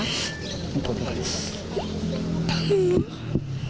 ต้องก่งดูค่ะ